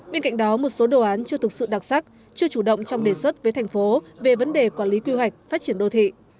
bên cạnh đó một số đồ án chưa thực sự đặc sắc chưa chủ động trong đề xuất với thành phố về vấn đề quản lý quy hoạch phát triển đô thị